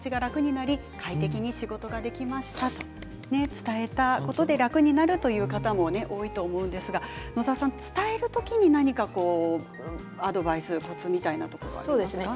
伝えたことで楽になるという方も多いと思いますが使う時に何かアドバイスコツみたいなところありますか？